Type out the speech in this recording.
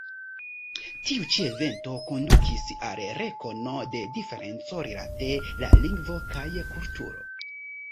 Tiu ĉi evento kondukis al rekono de diferenco rilate la lingvo kaj kulturo.